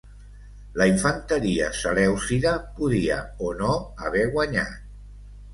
La infanteria selèucida podia o no haver guanyat.